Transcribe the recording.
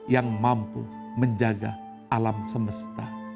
yang mampu menjaga alam semesta